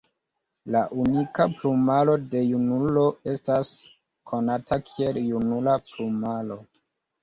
La unika plumaro de junulo estas konata kiel junula plumaro.